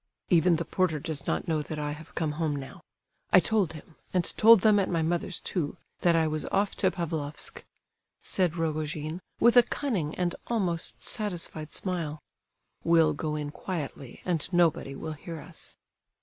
"Even the porter does not know that I have come home now. I told him, and told them at my mother's too, that I was off to Pavlofsk," said Rogojin, with a cunning and almost satisfied smile. "We'll go in quietly and nobody will hear us."